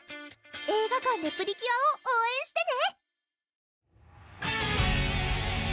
映画館でプリキュアを応援してね！